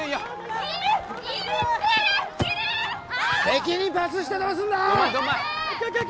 敵にパスしてどうすんだすいません